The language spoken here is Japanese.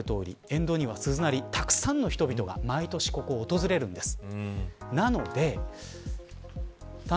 沿道には鈴なりたくさんの人々が毎年、ここを訪れるんです。